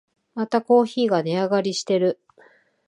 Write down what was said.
またコーヒーが値上がりしてる